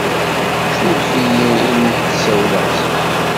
Suref-iyi imi k-d-ssawleɣ zik.